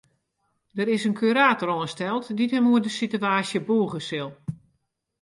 Der is in kurator oansteld dy't him oer de sitewaasje bûge sil.